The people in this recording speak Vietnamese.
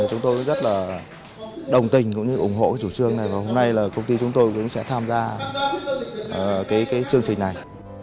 chúng tôi rất là đồng tình cũng như ủng hộ cái chủ trương này và hôm nay là công ty chúng tôi cũng sẽ tham gia cái chương trình này